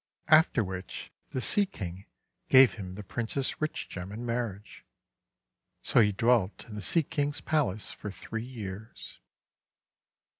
After which the Sea King gave him the Prin cess Rich Gem in marriage. So he dwelt in the Sea King's palace for three years.